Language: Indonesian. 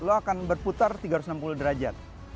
lo akan berputar tiga ratus enam puluh derajat